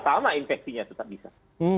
sama infeksinya tetap bisa